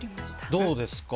どうですか？